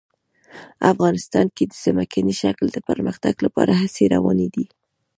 افغانستان کې د ځمکني شکل د پرمختګ لپاره هڅې روانې دي.